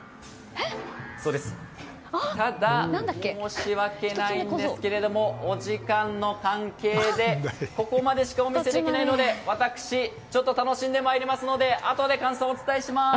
ただ、申し訳ないんですがお時間の関係で、ここまでしかお見せできないので私、楽しんでまいりますのであとで感想をお伝えします！